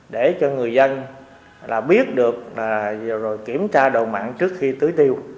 để cho người dân là biết được rồi kiểm tra độ mặn trước khi tưới tiêu